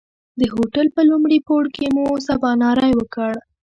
د هوټل په لومړي پوړ کې مو سباناری وکړ.